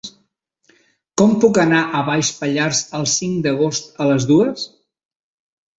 Com puc anar a Baix Pallars el cinc d'agost a les dues?